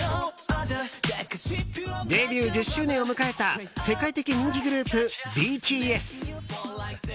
デビュー１０周年を迎えた世界的人気グループＢＴＳ。